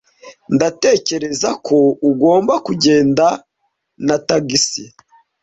Ndatekereza ko ugomba kugenda na tagisi.